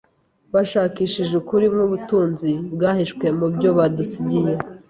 bashakishije ukuri nk’ubutunzi bwahishwe mubyo badusigiye